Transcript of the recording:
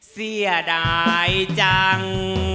เสียดายจัง